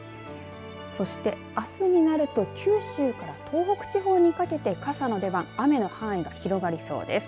そして、あすになると九州から東北地方にかけて傘の出番雨の範囲が広がりそうです。